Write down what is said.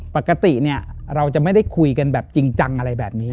ปกติเนี่ยเราจะไม่ได้คุยกันแบบจริงจังอะไรแบบนี้